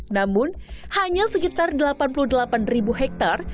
namun hanya sekitar delapan puluh delapan ribu hektare